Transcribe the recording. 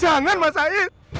jangan mas haiz